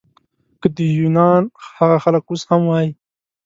که د یونان هغه خلک اوس هم وای.